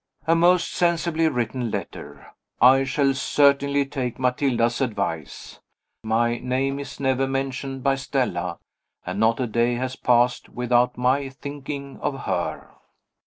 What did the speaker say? A most sensibly written letter. I shall certainly take Matilda's advice. My name is never mentioned by Stella and not a day has passed without my thinking of her!